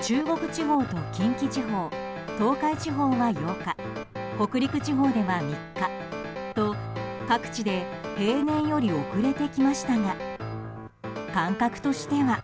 中国地方と近畿地方東海地方は８日北陸地方では３日と各地で平年より遅れて来ましたが感覚としては。